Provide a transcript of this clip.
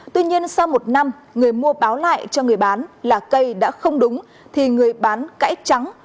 tuy nhiên sau một năm người mua báo lại cho người bán là cây đã không đúng thì người bán cãi trắng